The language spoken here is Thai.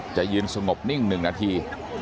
จะยืนสงบนิ่งหนึ่งนาที